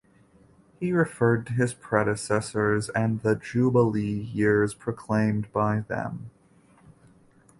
He referred to his predecessors and the Jubilee Years proclaimed by them.